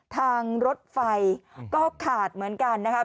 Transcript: ทางรถไฟก็ขาดเหมือนกันนะครับ